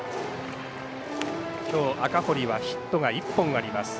今日赤堀はヒットが１本あります。